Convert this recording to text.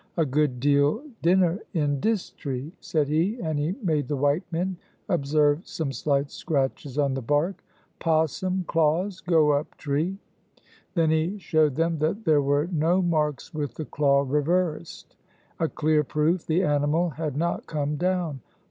"A good deal dinner in dis tree," said he, and he made the white men observe some slight scratches on the bark. "Possum claws go up tree." Then he showed them that there were no marks with the claw reversed, a clear proof the animal had not come down.